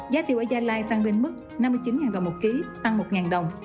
giá tiêu ở gia lai tăng lên mức năm mươi chín đồng một ký tăng một đồng